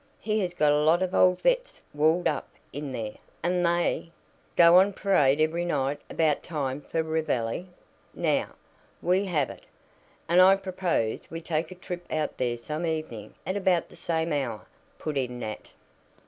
He has got a lot of old 'vets' walled up in there, and they " "Go on parade every night about time for reveille. Now we have it. And I propose we take a trip out there some evening at about the same hour," put in Nat.